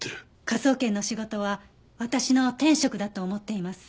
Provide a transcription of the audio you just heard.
科捜研の仕事は私の天職だと思っています。